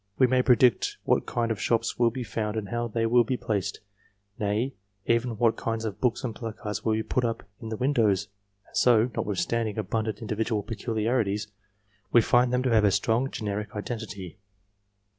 We may predict what kind of shops will be found and how they will be placed ; nay, even what kind of goods and*placards will be put up in the windows. And so, notwithstanding abundant individual peculiarities, we find them to have a strong generic identity.